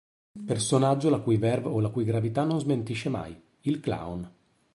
Personaggio la cui verve o la cui gravità non smentisce mai: il Clown.